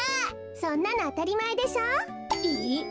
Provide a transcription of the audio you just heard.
そんなのあたりまえでしょ？え？